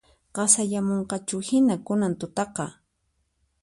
Qasayamunqachuhina kunan tutaqa